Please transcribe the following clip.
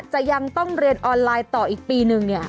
ยังต้องเรียนออนไลน์ต่ออีกปีนึงเนี่ย